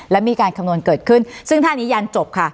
และมีการคำนวณเกิดขึ้นซึ่งท่านี้ยันจบค่ะ